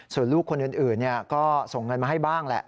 ส่วนลูกคนอื่นก็ส่งเงินมาให้บ้างแหละ